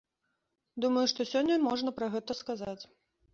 Думаю, што сёння можна пра гэта сказаць.